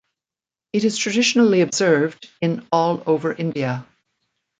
It is traditionally observed in all over India.